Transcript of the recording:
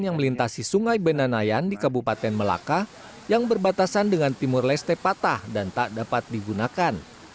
yang melintasi sungai benanayan di kabupaten melaka yang berbatasan dengan timur leste patah dan tak dapat digunakan